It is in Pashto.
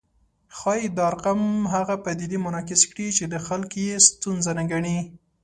ښايي دا ارقام هغه پدیدې منعکس کړي چې خلک یې ستونزه نه ګڼي